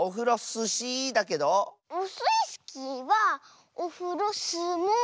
オスイスキーはオフロスモウー。